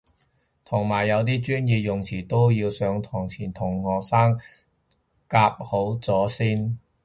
同埋有啲專業用詞都要上堂前同學生夾好咗先